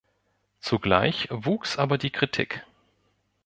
Zugleich wuchs aber die Kritik.